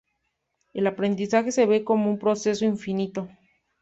El aprendizaje se ve como un proceso infinito.